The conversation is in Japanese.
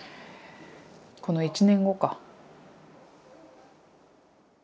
この１年後か。